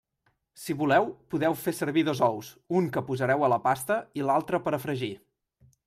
Si voleu, podeu fer servir dos ous: un que posareu a la pasta i l'altre per a fregir.